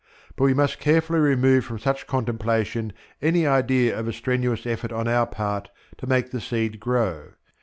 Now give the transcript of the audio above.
But we must carefully remove from such contemplation any idea of a strenuous effort on our part to make the seed grow.